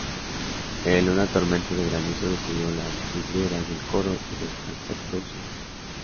El una tormenta de granizo destruyó las vidrieras del coro y del transepto sur.